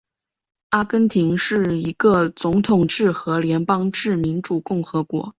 阿根廷是一个总统制和联邦制民主共和国。